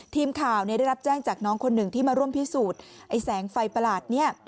ทีมข่าวได้รับแจ้งจากน้องคนหนึ่งที่มาร่วมพิสูจน์แสงไฟประหลาด